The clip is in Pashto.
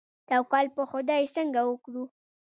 توکل په خدای څنګه وکړو؟